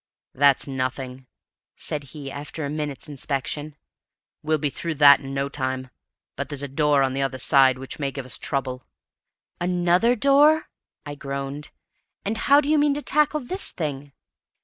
"That's nothing," said he, after a minute's inspection; "we'll be through that in no time, but there's a door on the other side which may give us trouble." "Another door!" I groaned. "And how do you mean to tackle this thing?"